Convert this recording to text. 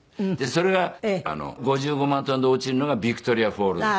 それが５５万トンで落ちるのがビクトリア・フォールズ。